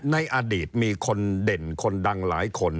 ในอดีตมีคนเด่นคนดังหลายคน